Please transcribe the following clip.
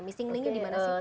missing linknya dimana sih